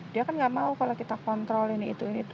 dia kan nggak mau kalau kita kontrol ini itu ini